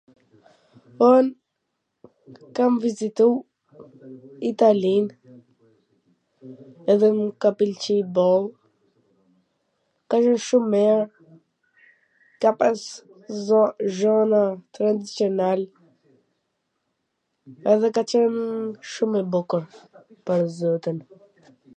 Un kam vizitu Italin edhe mw ka pwlqy boll, ka qen shum mir, ka pas zo.. gjona tradicional edhe ka qen shum e bukur, pwr zotin.